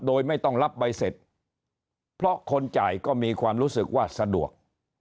โดยไม่ต้องรับใบเสร็จเพราะคนจ่ายก็มีความรู้สึกว่าสะดวก